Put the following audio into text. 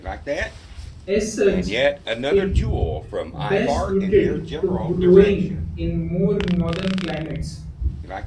As such, it best suited to growing in more northern climates.